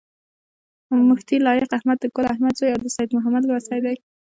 مفتي لائق احمد د ګل احمد زوي او د سيد محمد لمسی دی